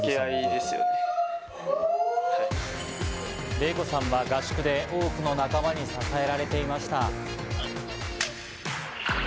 レイコさんは合宿で多くの仲間に支えられていました。